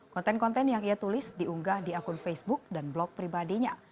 konten konten yang ia tulis diunggah di akun facebook dan blog pribadinya